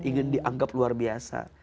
ingin dianggap luar biasa